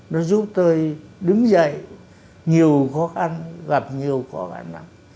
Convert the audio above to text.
nó giúp tôi đứng dậy nhiều khó khăn gặp nhiều khó khăn lắm